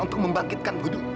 untuk membangkitkan budu